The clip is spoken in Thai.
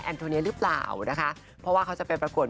โทเนียหรือเปล่านะคะเพราะว่าเขาจะไปปรากฏ